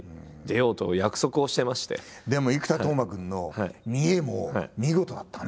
でも生田斗真君の見得も見事だったね。